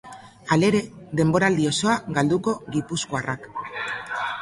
Halere, denboraldi osoa galduko gipuzkoarrak.